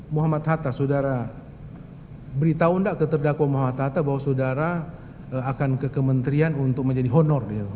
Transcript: muhammad hatta saudara beritahu tidak ke terdakwa muhammad hatta bahwa saudara akan ke kementerian untuk menjadi honor